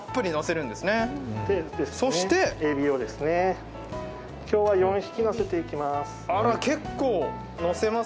そしてえびを、今日は４匹のせていきます。